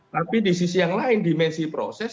tapi di sisi yang lain dimensi proses